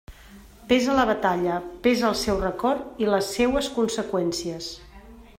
Pesa la Batalla, pesa el seu record i les seues conseqüències.